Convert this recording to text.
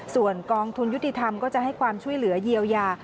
ส่วนกองทุนยุติธรรมก็จะให้ความช่วยเหลือเยียวยา